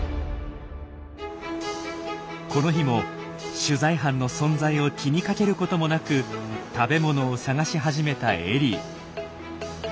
この日も取材班の存在を気にかけることもなく食べ物を探し始めたエリー。